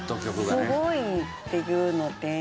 すごいっていうので。